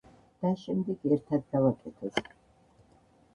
და შემდეგ ერთად გავაკეთოთ.